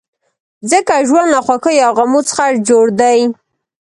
ځکه ژوند له خوښیو او غمو څخه جوړ دی.